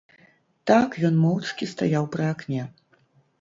Так ён моўчкі стаяў пры акне.